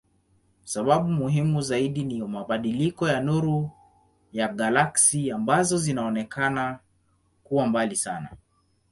Sababu muhimu zaidi ni mabadiliko ya nuru ya galaksi ambazo zinaonekana kuwa mbali sana.